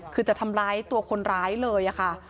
คือจะทำร้ายตัวคนร้ายเลยค่ะ